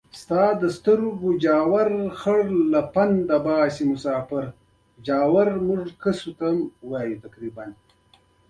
هو، دا هماغه ځای ده